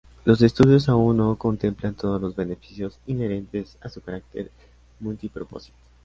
Los estudios aún no contemplan todos los beneficios inherentes a su carácter multipropósito.